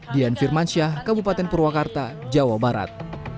dian firmansyah kabupaten purwakarta jawa barat